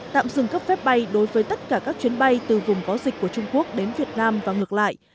tạm dừng cấp phép bay đối với tất cả các chuyến bay từ vùng có dịch của trung quốc đến việt nam và ngược lại